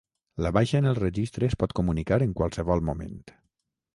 La baixa en el Registre es pot comunicar en qualsevol moment.